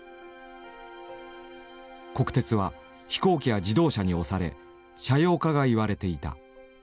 国鉄は飛行機や自動車に押され「斜陽化」が言われていた。